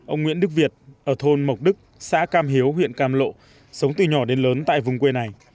ông nguyễn đức việt ở thôn mộc đức xã cam hiếu huyện cam lộ sống từ nhỏ đến lớn tại vùng quê này